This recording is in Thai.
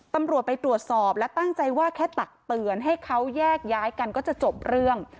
ตำรวจไปตรวจสอบและตั้งใจว่าแค่ตักเตือนให้เขาแยกย้ายกันก็จะจบเรื่อง